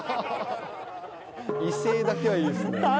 威勢だけはいいですね。